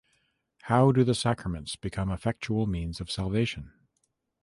How do the sacraments become effectual means of salvation?